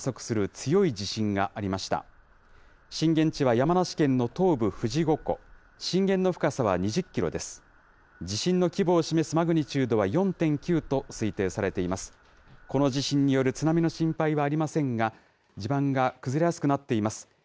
この地震による津波の心配はありませんが、地盤が崩れやすくなっています。